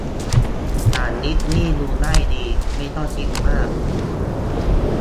หนังดิสนีย์ ดูง่ายดี ไม่ต้องคิดมาก